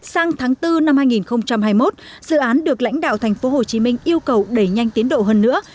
sáng tháng bốn năm hai nghìn hai mươi một dự án được lãnh đạo thành phố hồ chí minh yêu cầu đẩy nhanh tiến độ hơn nữa